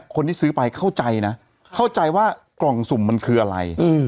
เข้าใจว่ากล่องสุ่มมันคืออะไร